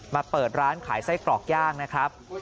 เปิดร้านขายไส้กรอกย่างนะครับ